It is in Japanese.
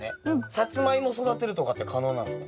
サツマイモ育てるとかって可能なんですか？